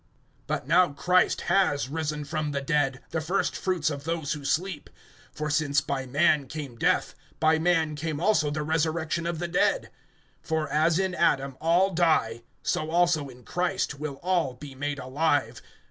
(20)But now Christ has risen from the dead, the first fruits of those who sleep. (21)For since by man came death, by man came also the resurrection of the dead. (22)For as in Adam all die, so also in Christ will all be made alive.